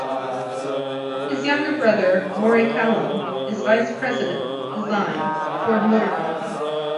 His younger brother Moray Callum is Vice President, Design, Ford Motor Company.